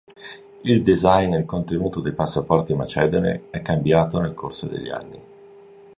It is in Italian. Il design e il contenuto dei passaporti macedoni è cambiato nel corso degli anni.